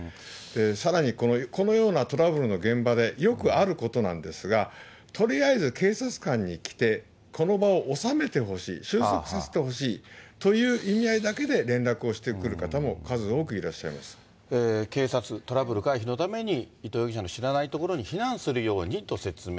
さらにこのようなトラブルの現場で、よくあることなんですが、とりあえず警察官に来て、この場を収めてほしい、収束させてほしいという意味合いだけで連絡をしてくる方も数多く警察、トラブル回避のために伊藤容疑者の知らない所に避難するようにと説明。